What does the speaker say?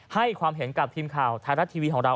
ให้ความเห็นกับทีมข่าวไทยรัฐทีวีของเรา